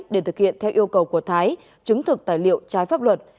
để thực hiện theo yêu cầu của thái chứng thực tài liệu trái pháp luật